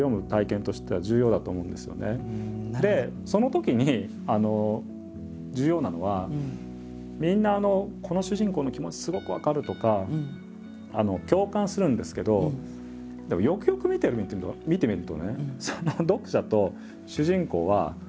でそのときに重要なのはみんなこの主人公の気持ちすごく分かるとか共感するんですけどでもよくよく見てみるとねっていうことがすごく重要で。